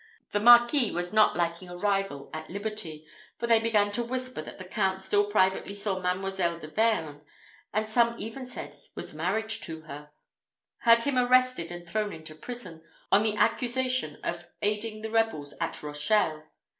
The Marquis not liking a rival at liberty for they began to whisper that the Count still privately saw Mademoiselle de Vergne, and some even said was married to her had him arrested and thrown into prison, on an accusation of aiding the rebels at Rochelle.